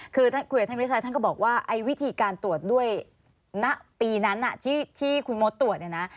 คุยกับท่านวีรชัยท่านก็บอกว่าวิธีการตรวจด้วยณปีนั้นที่คุณมดตรวจ